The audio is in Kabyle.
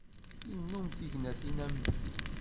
Yennum tignatin am ti.